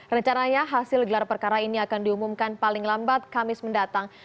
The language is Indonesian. rencananya hasil gelar perkara ini akan diumumkan paling lambat kamis mendatang